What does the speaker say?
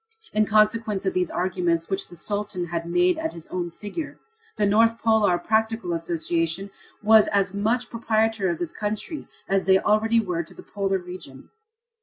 In consequence of these arrangements, which the Sultan had made at his own figure, the North Polar Practical Association was as much proprietor of this country as they already were to the polar region.